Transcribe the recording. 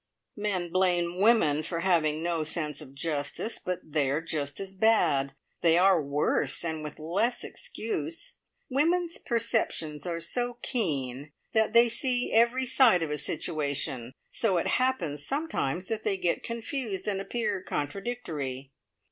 Men blame women for having no sense of justice, but they are just as bad. They are worse, and with less excuse. Women's perceptions are so keen that they see every side of a situation, so it happens sometimes that they get confused, and appear contradictory.